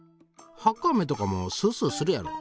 ハッカあめとかもスースーするやろ？